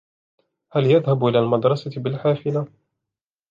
هل يذهب إلى المدرسة بالحافلة ؟